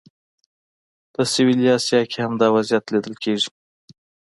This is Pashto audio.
په سویلي اسیا کې هم دا وضعیت لیدل کېږي.